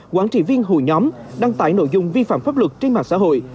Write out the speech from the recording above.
quản trị viên hội nhóm đăng tải nội dung vi phạm pháp luật trên mạng xã hội